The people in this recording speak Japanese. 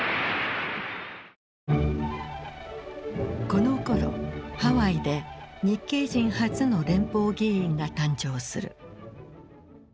このころハワイで日系人初の連邦議員が誕生する。